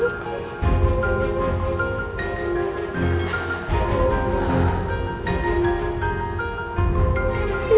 di rumah sakit ini aku kehilangan bayiku